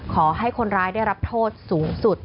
ขอให้คนร้ายได้รับโทษสูงสุด